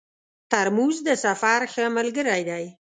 ترموز د سفر ښه ملګری دی.